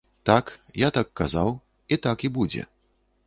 Так, я так казаў, і так і будзе.